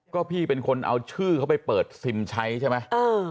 ก็พี่เป็นคนเอาชื่อเขาไปเปิดซิมใช้ใช่ไหม